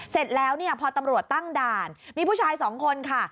เสร็จแล้วเนี่ยพอตำรวจตั้งด่านมีผู้ชายสองคนค่ะ